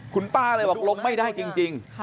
คุณป้าเลยบอกลงไม่ได้จริง